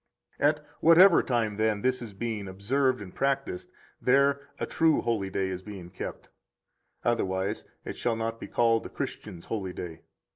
90 At whatever time, then, this is being observed and practised, there a true holy day is being kept; otherwise it shall not be called a Christians' holy day.